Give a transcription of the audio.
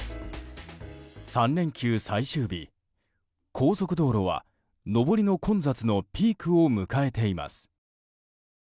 ３連休最終日高速道路は上りの混雑のピークを迎えています。